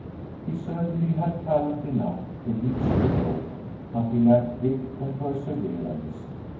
He certainly had talent enough to reach the goal, but he lacked grit and perseverance.